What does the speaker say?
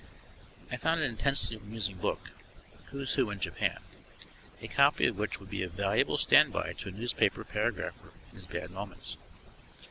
I found an intensely amusing book, "Who's Who in Japan," a copy of which would be a valuable standby to a newspaper paragrapher in his bad moments.